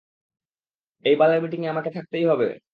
এই বালের মিটিংএ আমাকে থাকতেই হবে?